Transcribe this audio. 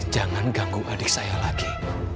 jangan ganggu adik saya lagi